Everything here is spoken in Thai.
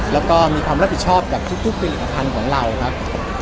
แล้วก็มีความรับผิดชอบกับทุกผลิตภัณฑ์ของเราครับ